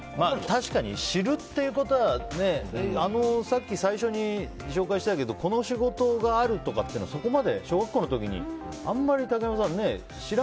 確かに、知るということはさっき、最初に紹介したけどこの仕事があるとかっていうのはそこまで、小学校の時にあんまり、竹山さんね